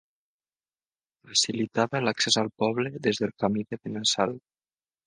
Facilitava l'accés al poble des del camí de Benassal.